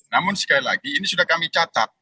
namun sekali lagi ini sudah kami cacat